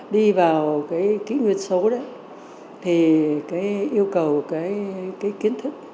đi vào cái kỹ nguyên số đấy thì cái yêu cầu cái kiến thức